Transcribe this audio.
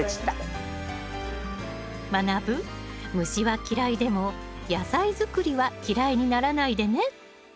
まなぶ虫は嫌いでも野菜作りは嫌いにならないでね。